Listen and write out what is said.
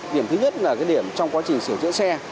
điểm thứ nhất là cái điểm trong quá trình sửa chữa xe